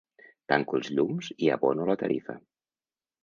Tanco els llums i abono la tarifa.